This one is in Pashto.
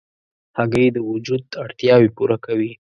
هګۍ د وجود اړتیاوې پوره کوي.